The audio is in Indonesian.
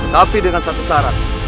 tapi dengan satu syarat